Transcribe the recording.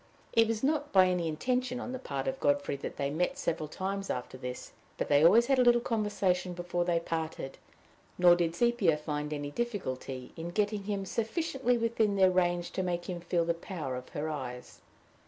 It was not by any intention on the part of Godfrey that they met several times after this; but they always had a little conversation before they parted; nor did Sepia find any difficulty in getting him sufficiently within their range to make him feel the power of her eyes.